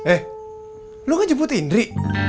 eh lo gak jemput indri